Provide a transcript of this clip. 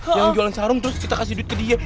jangan jualan sarung terus kita kasih duit ke dia